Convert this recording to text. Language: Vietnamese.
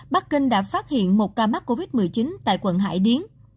bắc kinh đã phát hiện một ca mắc covid một mươi chín tại quận hải điến